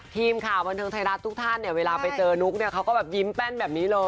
ทีมข่าวบันเทิงไทยรัฐทุกท่านเนี่ยเวลาไปเจอนุ๊กเนี่ยเขาก็แบบยิ้มแป้นแบบนี้เลย